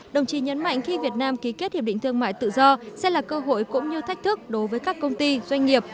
đồng chí nhấn mạnh khi việt nam ký kết hiệp định thương mại tự do sẽ là cơ hội cũng như thách thức đối với các công ty doanh nghiệp